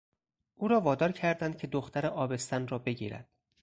او را وادار کردند که دختر آبستن را بگیرد.